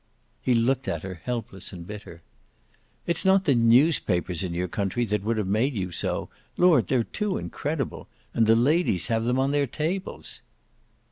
He looked at her, helpless and bitter. "It's not the newspapers in your country that would have made you so. Lord, they're too incredible! And the ladies have them on their tables."